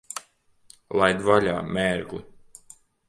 Laid vaļā, mērgli!